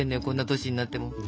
こんな歳になっても。